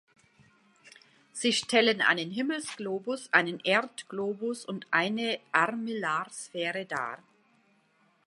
Sie stellen einen Himmelsglobus, einen Erdglobus und eine Armillarsphäre dar.